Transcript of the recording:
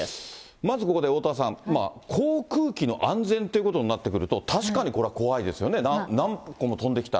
まずここでおおたわさん、航空機の安全っていうことになってくると、確かにこれは怖いですよね、何個も飛んできたら。